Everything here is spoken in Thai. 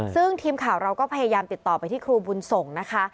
ซึ่งทีมข่าวเราก็พยายามติดต่อไปที่ครูบุญส่งนะคะ